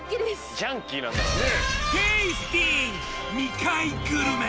ジャンキーなんだろうな。